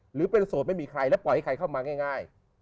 หรือเป็นโสดไม่มีใครและปล่อยให้ใครเข้ามาง่าย